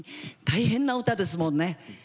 大変な歌ですもんね。